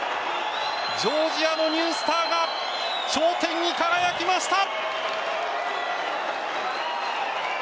ジョージアのニュースターが頂点に輝きました。